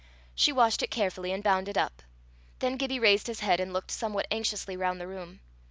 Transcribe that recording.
She washed it carefully and bound it up. Then Gibbie raised his head and looked somewhat anxiously round the room.